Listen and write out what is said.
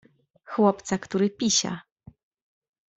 Chłopca, który pisia.